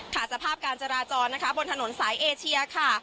สภาพการจราจรนะคะบนถนนสายเอเชียค่ะ